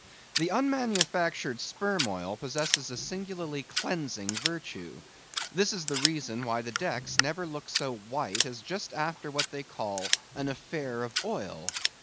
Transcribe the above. The unmanufactured sperm oil possesses a singularly cleansing virtue. This is the reason why the decks never look so white as just after what they call an affair of oil.